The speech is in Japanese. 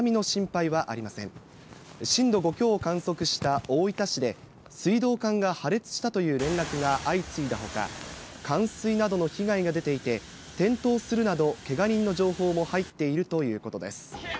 震度５強を観測した大分市で、水道管が破裂したという連絡が相次いだほか、冠水などの被害が出ていて、転倒するなど、けが人の情報も入っているということです。